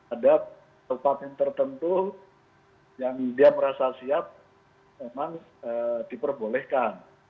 ada tempat yang tertentu yang dia merasa siap memang diperbolehkan